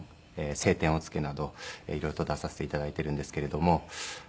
『青天を衝け』など色々と出させて頂いているんですけれども。